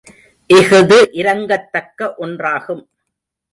இஃது இரங்கத்தக்க ஒன்றாகும்.